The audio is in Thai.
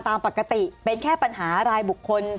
สวัสดีครับทุกคน